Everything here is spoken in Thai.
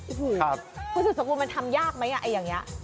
คุณสูตรสมมุมมันทำยากไหมอย่างนี้